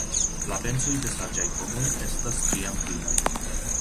La pensoj de saĝaj homoj estas ĉiam vivaj.